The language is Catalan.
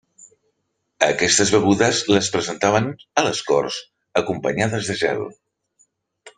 Aquestes begudes les presentaven a les corts acompanyades de gel.